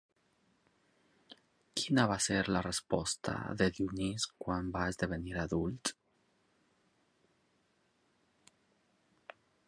Quina va ser la resposta de Dionís quan va esdevenir adult?